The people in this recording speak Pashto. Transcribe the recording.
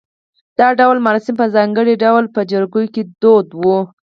دا ډول مراسم په ځانګړې توګه په جریکو کې دود و